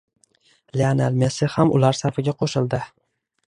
Lionel Messi ham ular safiga qo‘shildi